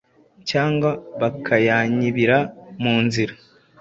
cyangwa bakayanyibira mu nzira.